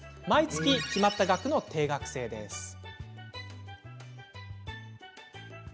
毎月決まった額の定額制です。